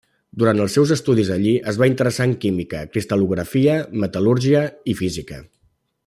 Durant els seus estudis allí, es va interessar en química, cristal·lografia, metal·lúrgia i física.